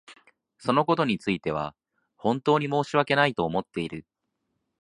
そのことについては本当に申し訳ないと思っている。